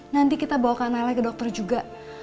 nanti kita bawa kanalnya ke dokter juga